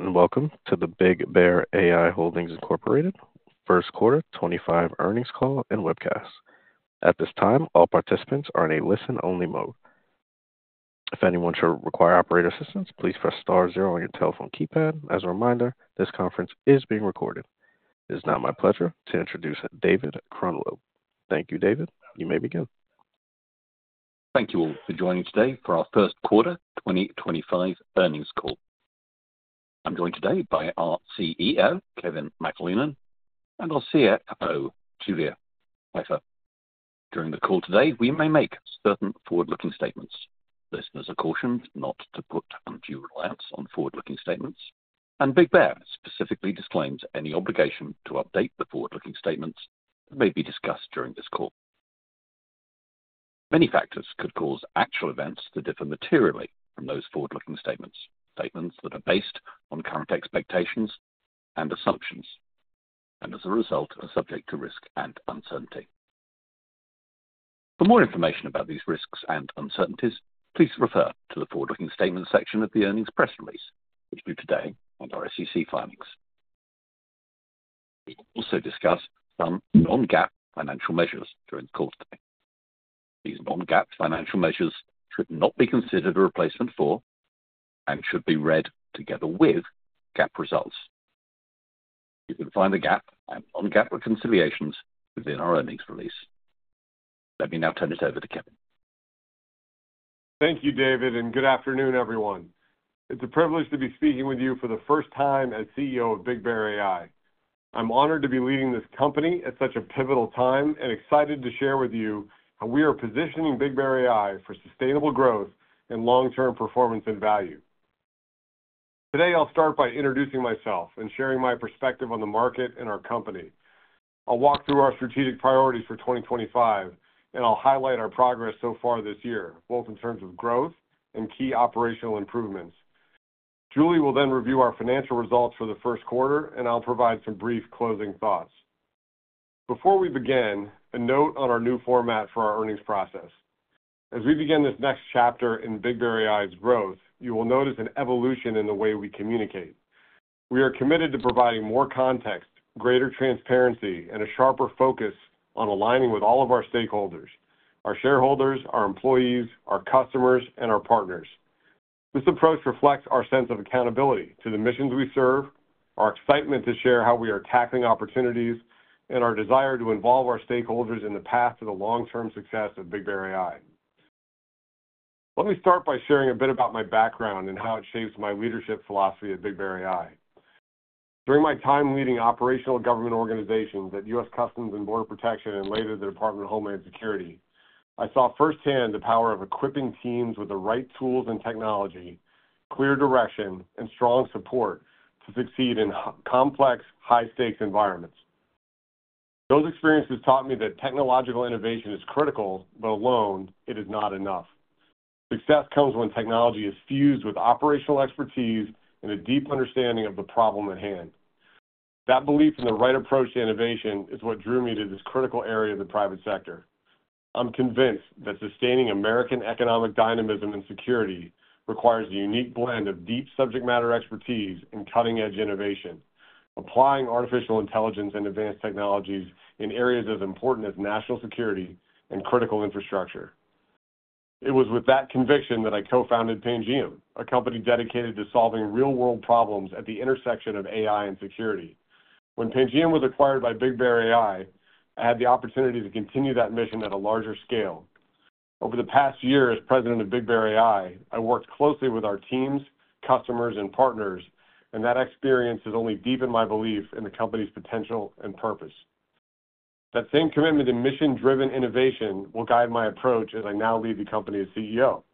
Welcome to the BigBear.ai Holdings, Inc. Q1 2025 Earnings Call and Webcast. At this time, all participants are in a listen-only mode. If anyone should require operator assistance, please press star zero on your telephone keypad. As a reminder, this conference is being recorded. It is now my pleasure to introduce David Crundwell. Thank you, David. You may begin. Thank you all for joining today for our Q1 2025 earnings call. I'm joined today by our CEO, Kevin McAleenan, and our CFO, Julie Peffer. During the call today, we may make certain forward-looking statements. Listeners are cautioned not to put undue reliance on forward-looking statements, and BigBear.ai specifically disclaims any obligation to update the forward-looking statements that may be discussed during this call. Many factors could cause actual events to differ materially from those forward-looking statements. Statements that are based on current expectations and assumptions, and as a result, are subject to risk and uncertainty. For more information about these risks and uncertainties, please refer to the forward-looking statements section of the earnings press release, which today and our SEC filings. We will also discuss some non-GAAP financial measures during the call today. These non-GAAP financial measures should not be considered a replacement for and should be read together with GAAP results. You can find the GAAP and non-GAAP reconciliations within our earnings release. Let me now turn it over to Kevin. Thank you, David, and good afternoon, everyone. It's a privilege to be speaking with you for the first time as CEO of BigBear.ai. I'm honored to be leading this company at such a pivotal time and excited to share with you how we are positioning BigBear.ai for sustainable growth and long-term performance and value. Today, I'll start by introducing myself and sharing my perspective on the market and our company. I'll walk through our strategic priorities for 2025, and I'll highlight our progress so far this year, both in terms of growth and key operational improvements. Julie will then review our financial results for the Q1, and I'll provide some brief closing thoughts. Before we begin, a note on our new format for our earnings process. As we begin this next chapter in BigBear.ai's growth, you will notice an evolution in the way we communicate. We are committed to providing more context, greater transparency, and a sharper focus on aligning with all of our stakeholders: our shareholders, our employees, our customers, and our partners. This approach reflects our sense of accountability to the missions we serve, our excitement to share how we are tackling opportunities, and our desire to involve our stakeholders in the path to the long-term success of BigBear.ai. Let me start by sharing a bit about my background and how it shapes my leadership philosophy at BigBear.ai. During my time leading operational government organizations at U.S. Customs and Border Protection, and later the Department of Homeland Security, I saw firsthand the power of equipping teams with the right tools and technology, clear direction, and strong support to succeed in complex, high-stakes environments. Those experiences taught me that technological innovation is critical, but alone, it is not enough. Success comes when technology is fused with operational expertise and a deep understanding of the problem at hand. That belief in the right approach to innovation is what drew me to this critical area of the private sector. I'm convinced that sustaining American economic dynamism and security requires a unique blend of deep subject matter expertise and cutting-edge innovation, applying artificial intelligence and advanced technologies in areas as important as national security and critical infrastructure. It was with that conviction that I co-founded Pangiam, a company dedicated to solving real-world problems at the intersection of AI and security. When Pangiam was acquired by BigBear.ai, I had the opportunity to continue that mission at a larger scale. Over the past year as President of BigBear.ai, I worked closely with our teams, customers, and partners, and that experience has only deepened my belief in the company's potential and purpose. That same commitment to mission-driven innovation will guide my approach as I now lead the company as CEO.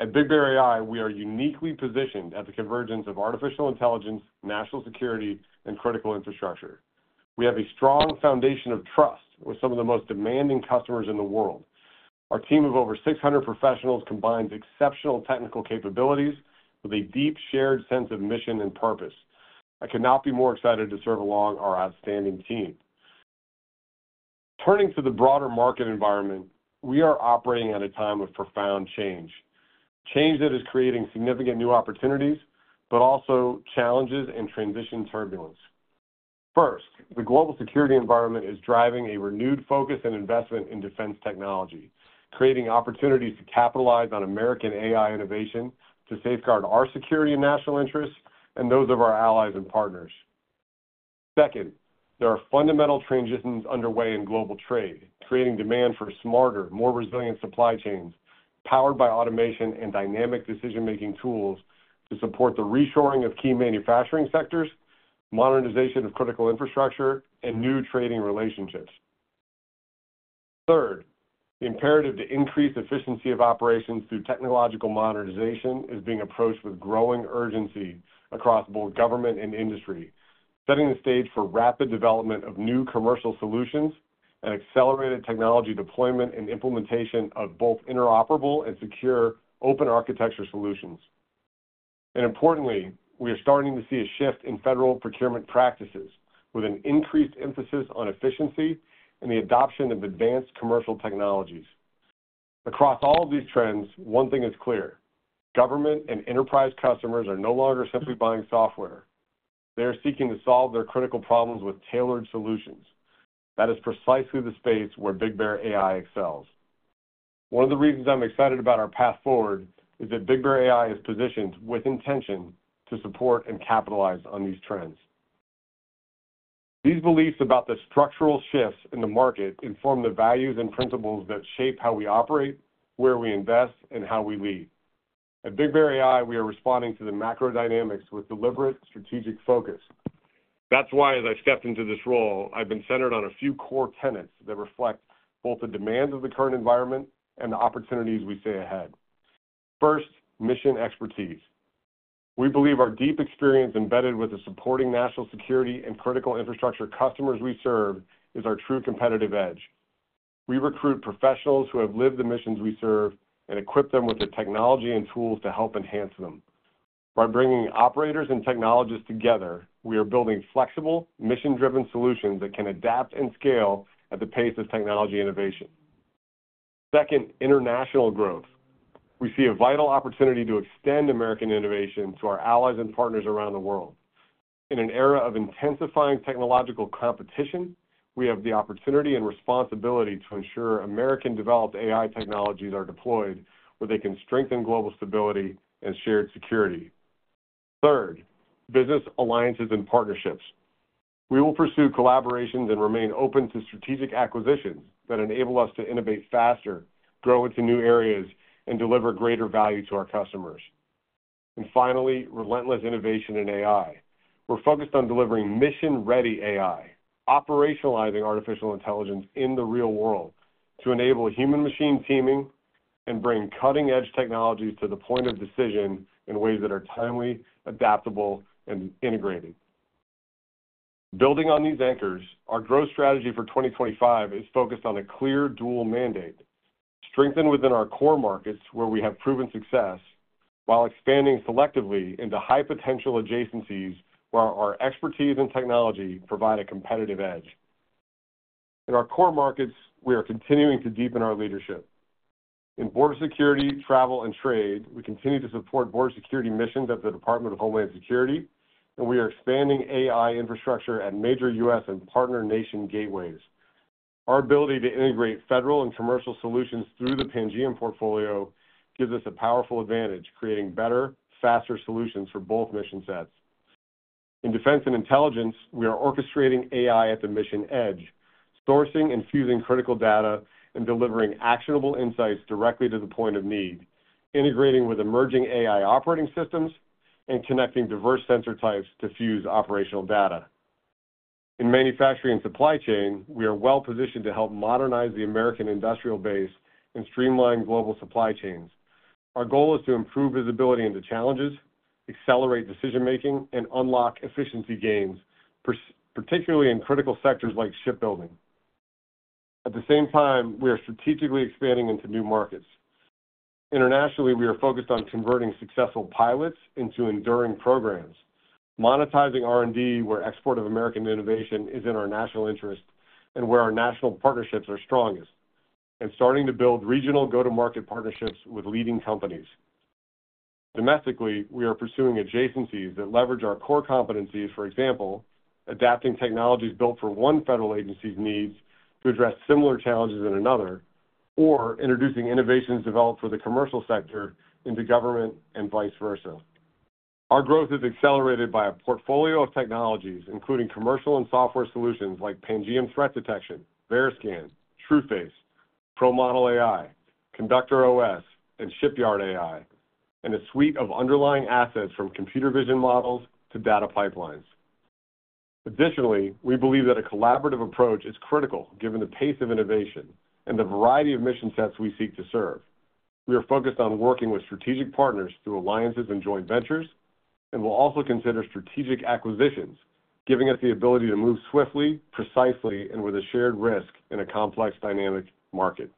At BigBear.ai, we are uniquely positioned at the convergence of artificial intelligence, national security, and critical infrastructure. We have a strong foundation of trust with some of the most demanding customers in the world. Our team of over 600 professionals combines exceptional technical capabilities with a deep shared sense of mission and purpose. I could not be more excited to serve along our outstanding team. Turning to the broader market environment, we are operating at a time of profound change. Change that is creating significant new opportunities, but also challenges and transition turbulence. First, the global security environment is driving a renewed focus and investment in defense technology, creating opportunities to capitalize on American AI innovation to safeguard our security and national interests and those of our allies and partners. Second, there are fundamental transitions underway in global trade, creating demand for smarter, more resilient supply chains powered by automation and dynamic decision-making tools to support the reshoring of key manufacturing sectors, modernization of critical infrastructure, and new trading relationships. Third, the imperative to increase efficiency of operations through technological modernization is being approached with growing urgency across both government and industry, setting the stage for rapid development of new commercial solutions and accelerated technology deployment and implementation of both interoperable and secure open architecture solutions. And importantly, we are starting to see a shift in federal procurement practices with an increased emphasis on efficiency and the adoption of advanced commercial technologies. Across all of these trends, one thing is clear: government and enterprise customers are no longer simply buying software. They are seeking to solve their critical problems with tailored solutions. That is precisely the space where BigBear.ai excels. One of the reasons I'm excited about our path forward is that BigBear.ai is positioned with intention to support and capitalize on these trends. These beliefs about the structural shifts in the market inform the values and principles that shape how we operate, where we invest, and how we lead. At BigBear.ai, we are responding to the macro dynamics with deliberate strategic focus. That's why, as I stepped into this role, I've been centered on a few core tenets that reflect both the demands of the current environment and the opportunities we see ahead. First, mission expertise. We believe our deep experience embedded with the supporting national security and critical infrastructure customers we serve is our true competitive edge. We recruit professionals who have lived the missions we serve and equip them with the technology and tools to help enhance them. By bringing operators and technologists together, we are building flexible, mission-driven solutions that can adapt and scale at the pace of technology innovation. Second, international growth. We see a vital opportunity to extend American innovation to our allies and partners around the world. In an era of intensifying technological competition, we have the opportunity and responsibility to ensure American-developed AI technologies are deployed where they can strengthen global stability and shared security. Third, business alliances and partnerships. We will pursue collaborations and remain open to strategic acquisitions that enable us to innovate faster, grow into new areas, and deliver greater value to our customers. Finally, relentless innovation in AI. We're focused on delivering mission-ready AI, operationalizing artificial intelligence in the real world to enable human-machine teaming and bring cutting-edge technologies to the point of decision in ways that are timely, adaptable, and integrated. Building on these anchors, our growth strategy for 2025 is focused on a clear dual mandate: strengthen within our core markets where we have proven success, while expanding selectively into high-potential adjacencies where our expertise and technology provide a competitive edge. In our core markets, we are continuing to deepen our leadership. In border security, travel, and trade, we continue to support border security missions at the Department of Homeland Security, and we are expanding AI infrastructure at major U.S. and partner nation gateways. Our ability to integrate federal and commercial solutions through the Pangiam portfolio gives us a powerful advantage, creating better, faster solutions for both mission sets. In defense and intelligence, we are orchestrating AI at the mission edge, sourcing and fusing critical data, and delivering actionable insights directly to the point of need, integrating with emerging AI operating systems and connecting diverse sensor types to fuse operational data. In manufacturing and supply chain, we are well-positioned to help modernize the American industrial base and streamline global supply chains. Our goal is to improve visibility into challenges, accelerate decision-making, and unlock efficiency gains, particularly in critical sectors like shipbuilding. At the same time, we are strategically expanding into new markets. Internationally, we are focused on converting successful pilots into enduring programs, monetizing R&D where export of American innovation is in our national interest and where our national partnerships are strongest, and starting to build regional go-to-market partnerships with leading companies. Domestically, we are pursuing adjacencies that leverage our core competencies, for example, adapting technologies built for one federal agency's needs to address similar challenges in another, or introducing innovations developed for the commercial sector into government and vice versa. Our growth is accelerated by a portfolio of technologies, including commercial and software solutions like Pangiam Threat Detection, veriScan, Trueface, ProModel AI, ConductorOS, and Shipyard AI, and a suite of underlying assets from computer vision models to data pipelines. Additionally, we believe that a collaborative approach is critical given the pace of innovation and the variety of mission sets we seek to serve. We are focused on working with strategic partners through alliances and joint ventures, and we will also consider strategic acquisitions, giving us the ability to move swiftly, precisely, and with a shared risk in a complex dynamic market.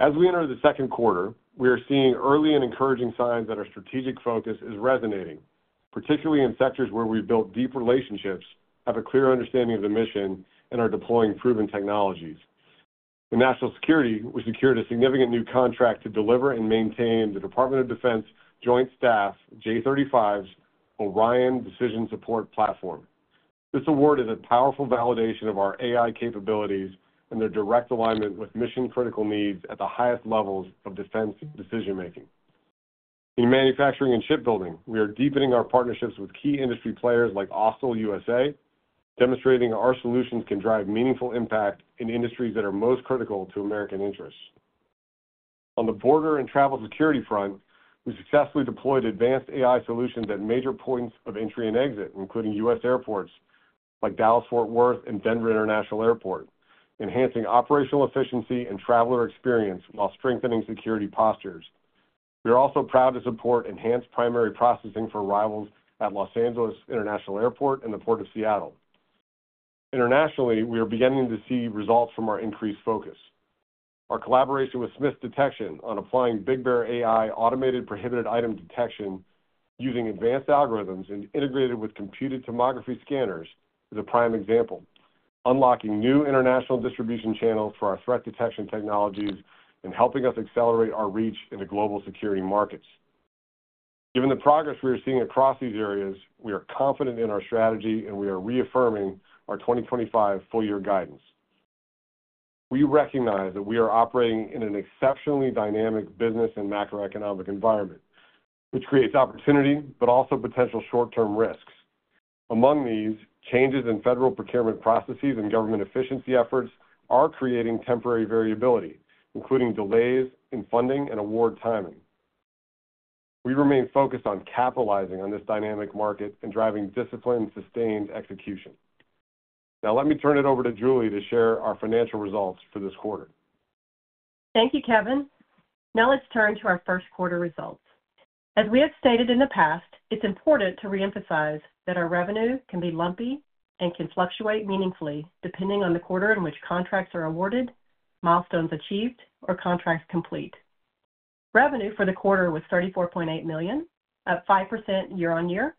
As we enter the Q2, we are seeing early and encouraging signs that our strategic focus is resonating, particularly in sectors where we've built deep relationships, have a clear understanding of the mission, and are deploying proven technologies. In national security, we secured a significant new contract to deliver and maintain the Department of Defense Joint Staff J-35's ORION Decision Support Platform. This award is a powerful validation of our AI capabilities and their direct alignment with mission-critical needs at the highest levels of defense decision-making. In manufacturing and shipbuilding, we are deepening our partnerships with key industry players like Austal USA, demonstrating our solutions can drive meaningful impact in industries that are most critical to American interests. On the border and travel security front, we successfully deployed advanced AI solutions at major points of entry and exit, including U.S. Airports like Dallas-Fort Worth and Denver International Airport, enhancing operational efficiency and traveler experience while strengthening security postures. We are also proud to support enhanced primary processing for arrivals at Los Angeles International Airport and the Port of Seattle. Internationally, we are beginning to see results from our increased focus. Our collaboration with Smiths Detection on applying BigBear.ai automated prohibited item detection using advanced algorithms and integrated with computed tomography scanners is a prime example, unlocking new international distribution channels for our threat detection technologies and helping us accelerate our reach into global security markets. Given the progress we are seeing across these areas, we are confident in our strategy, and we are reaffirming our 2025 full-year guidance. We recognize that we are operating in an exceptionally dynamic business and macroeconomic environment, which creates opportunity, but also potential short-term risks. Among these, changes in federal procurement processes and government efficiency efforts are creating temporary variability, including delays in funding and award timing. We remain focused on capitalizing on this dynamic market and driving disciplined sustained execution. Now, let me turn it over to Julie to share our financial results for this quarter. Thank you, Kevin. Now, let's turn to our Q1 results. As we have stated in the past, it's important to reemphasize that our revenue can be lumpy and can fluctuate meaningfully depending on the quarter in which contracts are awarded, milestones achieved, or contracts complete. Revenue for the quarter was $34.8 million, up 5% year-on-year,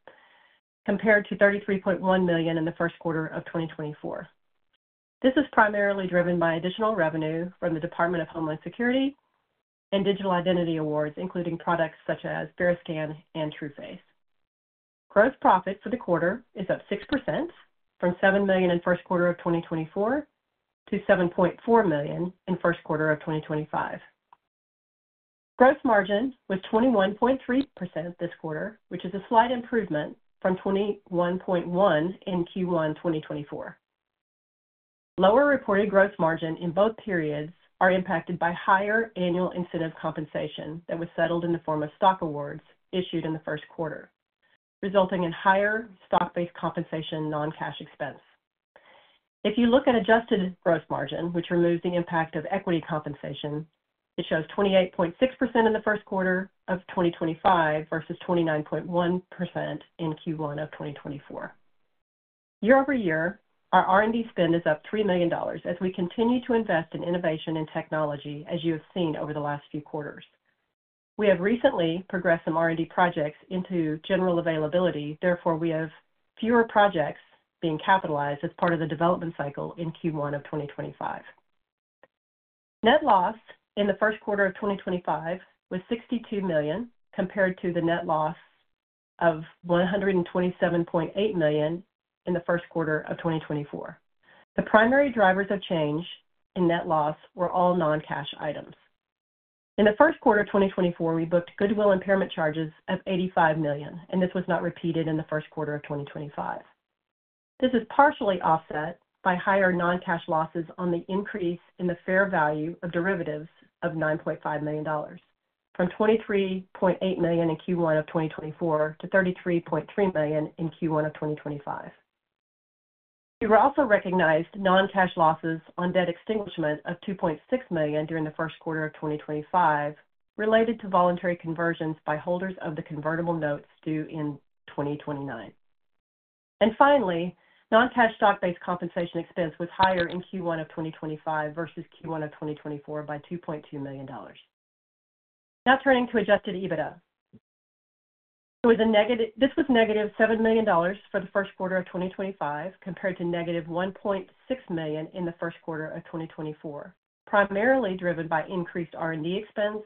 compared to $33.1 million in the Q1 of 2024. This is primarily driven by additional revenue from the Department of Homeland Security and digital identity awards, including products such as veriScan and Trueface. Gross profit for the quarter is up 6% from $7 million in the Q1 of 2024 to $7.4 million in the Q1 of 2025. Gross margin was 21.3% this quarter, which is a slight improvement from 21.1% in Q1 2024. Lower reported gross margin in both periods are impacted by higher annual incentive compensation that was settled in the form of stock awards issued in the Q1, resulting in higher stock-based compensation non-cash expense. If you look at adjusted gross margin, which removes the impact of equity compensation, it shows 28.6% in the Q1 of 2025 versus 29.1% in Q1 of 2024. Year-over-year, our R&D spend is up $3 million as we continue to invest in innovation and technology, as you have seen over the last few quarters. We have recently progressed some R&D projects into general availability. Therefore, we have fewer projects being capitalized as part of the development cycle in Q1 of 2025. Net loss in the Q1 of 2025 was $62 million, compared to the net loss of $127.8 million in the Q1 of 2024. The primary drivers of change in net loss were all non-cash items. In the Q1 of 2024, we booked goodwill impairment charges of $85 million, and this was not repeated in the Q1 of 2025. This is partially offset by higher non-cash losses on the increase in the fair value of derivatives of $9.5 million, from $23.8 million in Q1 of 2024 to $33.3 million in Q1 of 2025. We also recognized non-cash losses on debt extinguishment of $2.6 million during the Q1 of 2025, related to voluntary conversions by holders of the convertible notes due in 2029. Finally, non-cash stock-based compensation expense was higher in Q1 of 2025 versus Q1 of 2024 by $2.2 million. Now, turning to adjusted EBITDA. This was -$7 million for the Q1 of 2025, compared to -$1.6 million in the Q1 of 2024, primarily driven by increased R&D expense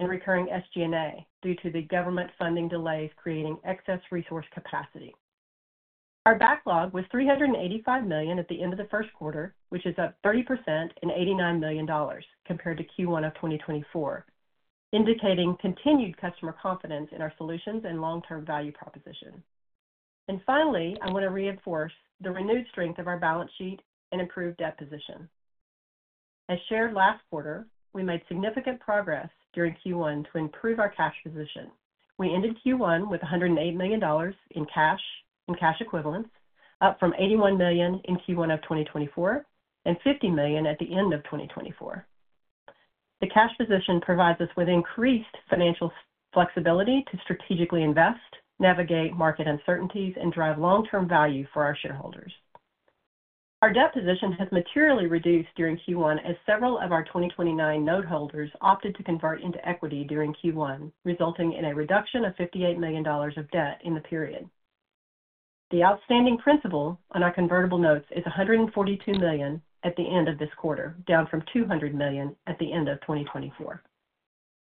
and recurring SG&A due to the government funding delays creating excess resource capacity. Our backlog was $385 million at the end of the Q1, which is up 30% and $89 million, compared to Q1 of 2024, indicating continued customer confidence in our solutions and long-term value proposition. And finally, I want to reinforce the renewed strength of our balance sheet and improved debt position. As shared last quarter, we made significant progress during Q1 to improve our cash position. We ended Q1 with $108 million in cash and cash equivalents, up from $81 million in Q1 of 2024 and $50 million at the end of 2024. The cash position provides us with increased financial flexibility to strategically invest, navigate market uncertainties, and drive long-term value for our shareholders. Our debt position has materially reduced during Q1 as several of our 2029 note holders opted to convert into equity during Q1, resulting in a reduction of $58 million of debt in the period. The outstanding principal on our convertible notes is $142 million at the end of this quarter, down from $200 million at the end of 2024.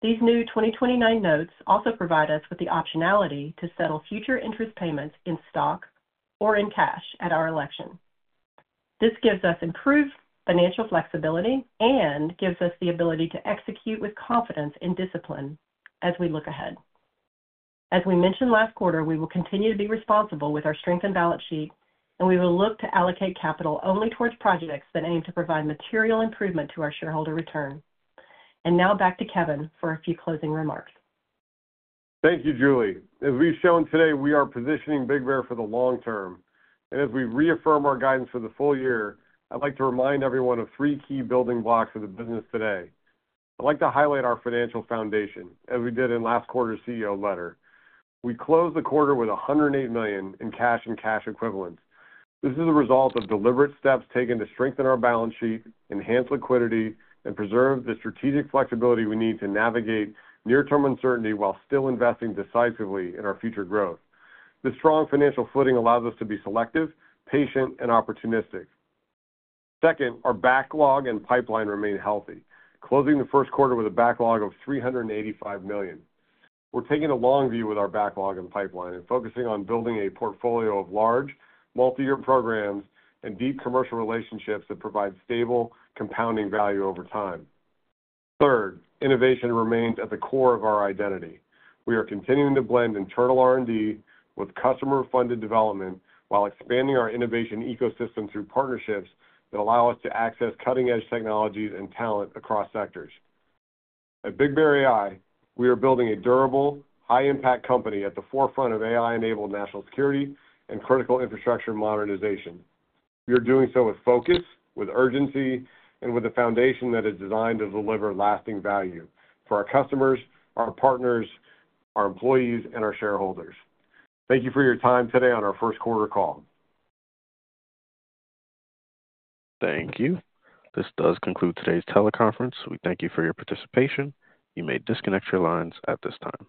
These new 2029 notes also provide us with the optionality to settle future interest payments in stock or in cash at our election. This gives us improved financial flexibility and gives us the ability to execute with confidence and discipline as we look ahead. As we mentioned last quarter, we will continue to be responsible with our strengthened balance sheet, and we will look to allocate capital only towards projects that aim to provide material improvement to our shareholder return. Now, back to Kevin for a few closing remarks. Thank you, Julie. As we've shown today, we are positioning BigBear.ai for the long term. As we reaffirm our guidance for the full year, I'd like to remind everyone of three key building blocks of the business today. I'd like to highlight our financial foundation, as we did in last quarter's CEO letter. We closed the quarter with $108 million in cash and cash equivalents. This is a result of deliberate steps taken to strengthen our balance sheet, enhance liquidity, and preserve the strategic flexibility we need to navigate near-term uncertainty while still investing decisively in our future growth. This strong financial footing allows us to be selective, patient, and opportunistic. Second, our backlog and pipeline remain healthy, closing the Q1 with a backlog of $385 million. We're taking a long view with our backlog and pipeline and focusing on building a portfolio of large, multi-year programs and deep commercial relationships that provide stable, compounding value over time. Third, innovation remains at the core of our identity. We are continuing to blend internal R&D with customer-funded development while expanding our innovation ecosystem through partnerships that allow us to access cutting-edge technologies and talent across sectors. At BigBear.ai, we are building a durable, high-impact company at the forefront of AI-enabled national security and critical infrastructure modernization. We are doing so with focus, with urgency, and with a foundation that is designed to deliver lasting value for our customers, our partners, our employees, and our shareholders. Thank you for your time today on our Q1 call. Thank you. This does conclude today's teleconference. We thank you for your participation. You may disconnect your lines at this time.